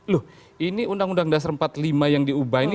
loh ini undang undang dasar empat puluh lima yang diubah ini